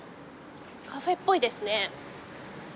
カフェっぽいですね。